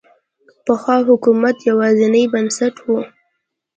پخوا حکومت یوازینی بنسټ و.